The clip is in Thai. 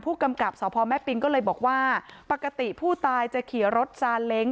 กับสพแม่ปิงก็เลยบอกว่าปกติผู้ตายจะขี่รถซาเล้ง